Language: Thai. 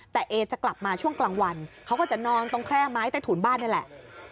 แต่เอจะกลับมาช่วงกลางวันเขาก็จะนอนตรงแคร่ไม้ใต้ถุนบ้านนี่แหละ